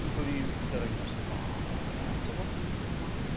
だから上品さもあって。